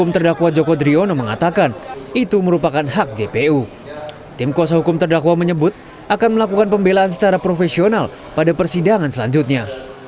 tim kuasa hukum terdakwa menyebut akan melakukan pembelaan secara profesional pada persidangan selanjutnya